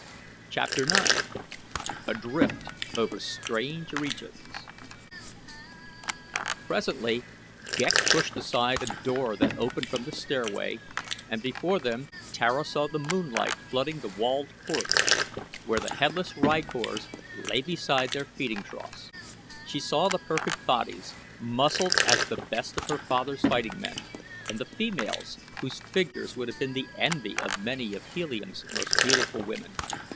CHAPTER IX ADRIFT OVER STRANGE REGIONS Presently Ghek pushed aside a door that opened from the stairway, and before them Tara saw the moonlight flooding the walled court where the headless rykors lay beside their feeding troughs. She saw the perfect bodies, muscled as the best of her father's fighting men, and the females whose figures would have been the envy of many of Helium's most beautiful women.